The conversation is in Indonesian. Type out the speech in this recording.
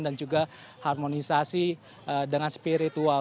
dan juga harmonisasi dengan spiritual